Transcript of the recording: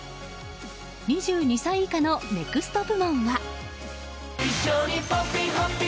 ２２歳以下のＮＥＸＴ部門は。